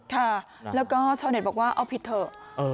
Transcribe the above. ค่ะแล้วก็ชาวเน็ตบอกว่าเอาผิดเถอะ